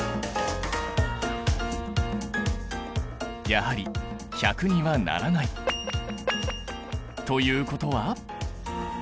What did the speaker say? やはり１００にはならない。ということは？